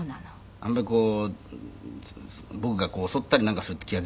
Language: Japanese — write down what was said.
「あんまりこう僕が襲ったりなんかするっていう気は」